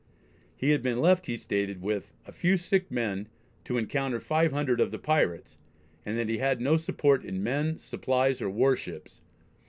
He had been left, he stated, with "a few sick men to encounter five hundred of the pirates," and that he had no support in men, supplies or warships.